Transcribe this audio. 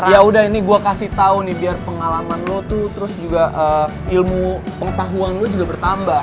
ya udah ini gue kasih tau nih biar pengalaman lo tuh terus juga ilmu pengetahuan lo juga bertambah